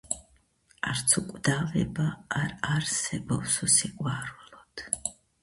"Crevalle" sailed on to refit at Fremantle.